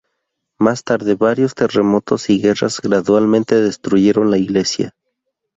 Más tarde varios terremotos y guerras gradualmente destruyeron la iglesia.